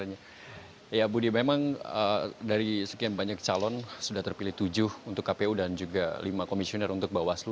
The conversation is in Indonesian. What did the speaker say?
ya budi memang dari sekian banyak calon sudah terpilih tujuh untuk kpu dan juga lima komisioner untuk bawaslu